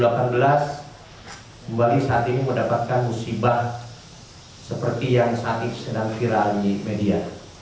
kembali saat ini mendapatkan musibah seperti yang saat ini sedang viral di media